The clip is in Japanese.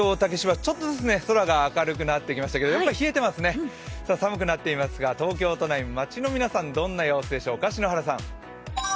ちょっとずつ空が明るくなってきましたがやっぱり冷えてますね寒くなっていますが東京都内、街の皆さんはどんな様子でしょうか、篠原さん。